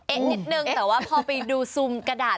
นิดนึงแต่ว่าพอไปดูซุมกระดาษ